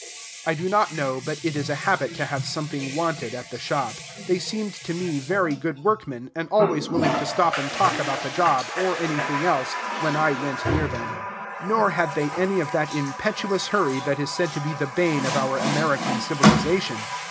I do not know but it is a habit to have something wanted at the shop. They seemed to me very good workmen, and always willing to stop and talk about the job, or anything else, when I went near them. Nor had they any of that impetuous hurry that is said to be the bane of our American civilization.